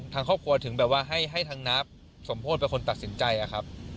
ทางครอบครัวถึงแบบว่าให้ทางนับสมโพธิเป็นคนตัดสินใจอะครับ